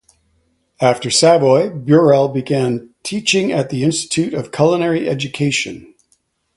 After Savoy, Burrell began teaching at the Institute of Culinary Education.